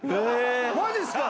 マジっすか？